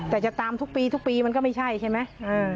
แต่จะตามทุกปีทุกปีมันก็ไม่ใช่ใช่ไหม